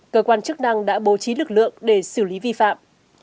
cơ quan chức năng đã bố trí lực lượng để xử lý vi phạm